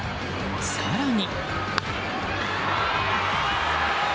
更に。